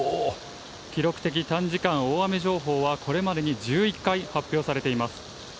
記録的短時間大雨情報はこれまでに１１回発表されています。